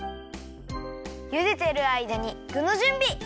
ゆでてるあいだにぐのじゅんび！